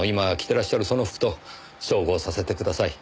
てらっしゃるその服と照合させてください。